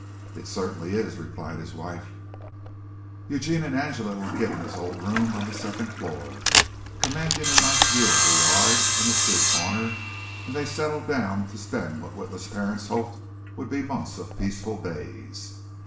"It certainly is," replied his wife. Eugene and Angela were given his old room on the second floor, commanding a nice view of the yard and the street corner, and they settled down to spend what the Witla parents hoped would be months of peaceful days.